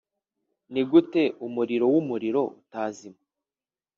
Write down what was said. nigute mumuriro wumuriro utazima